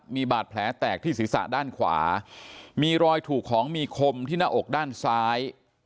มีบาดแผลแตกที่ศีรษะด้านขวามีรอยถูกของมีคมที่หน้าอกด้านซ้าย